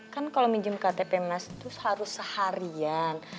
kan kalau minjem ktpm mas itu harus seharian